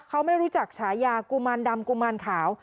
เขาไม่รู้จักฉายากุมารดำกุมารขาว